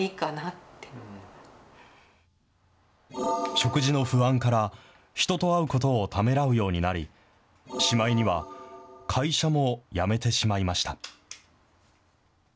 食事の不安から、人と会うことをためらうようになり、しまいには会社も辞めてしまいました。